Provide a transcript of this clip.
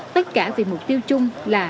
tất cả vì mục tiêu chung là